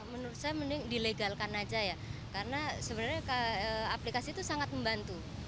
menurut saya mending dilegalkan aja ya karena sebenarnya aplikasi itu sangat membantu